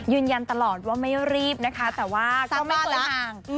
ยืนยันตลอดว่าไม่รีบนะคะแต่ว่าก็ไม่เกินอ่าง